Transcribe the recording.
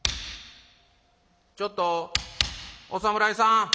「ちょっとお侍さん。